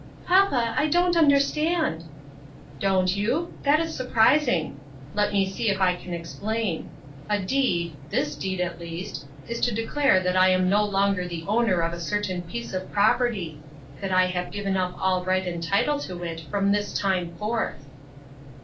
" Papa, I don't understand." " Don't you ? That is surprising. Let me see if I can explain ; a deed, this deed, at least, is to declare that I am no longer the owner of a certain piece of property ; that I have given up all right and title to it from this time forth."